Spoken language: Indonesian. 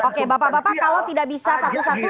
oke bapak bapak kalau tidak bisa satu satunya